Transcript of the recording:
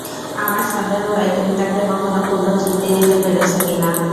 আমার সন্দেহ হয় তুমি তাকে কখনো পূর্ণ তৃপ্তি দিতে পেরেছ কি না।